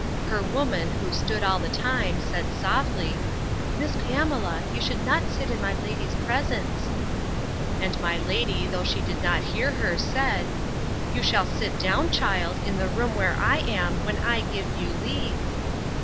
Her woman, who stood all the time, said softly, Mrs. Pamela, you should not sit in my lady's presence. And my lady, though she did not hear her, said, You shall sit down, child, in the room where I am, when I give you leave.